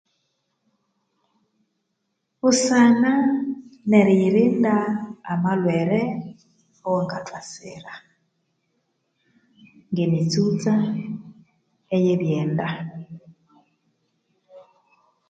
Busana neriyirinda amalhwere awakathwasira ngemitsutsa eyebyenda